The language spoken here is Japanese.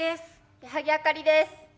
矢作あかりです。